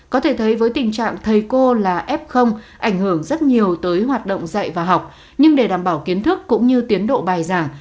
có thể thấy với tình trạng thầy cô là f ảnh hưởng rất nhiều tới hoạt động dạy và học nhưng để đảm bảo kiến thức cũng như tiến độ bài giảng